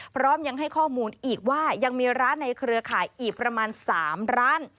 พร้อมยังให้ข้อมูลอีกว่ายังมีร้านในเครือข่ายอีกประมาณ๓ร้าน